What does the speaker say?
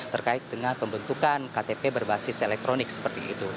terkait dengan pembentukan ktp berbasis elektronik seperti itu